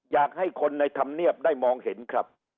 อยากให้คนในธรรมเนียบได้มองเห็นครับ